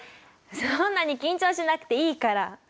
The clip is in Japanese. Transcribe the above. そんなに緊張しなくていいから。